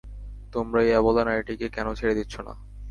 তোমরা এই অবলা নারীটিকে কেন ছেড়ে দিচ্ছ না?